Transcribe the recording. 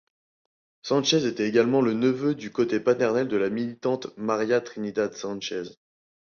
Sánchez était également le neveu du côté paternel de la militante María Trinidad Sánchez.